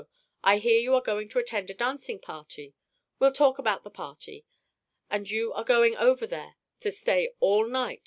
I hear you are going to attend a dancing party; we'll talk about the party. And you are going over there to stay all night.